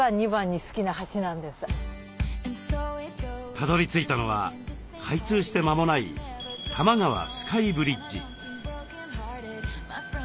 たどりついたのは開通して間もない多摩川スカイブリッジ。